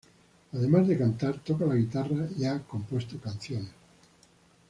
Además de cantar, toca la guitarra y ha compuesto canciones.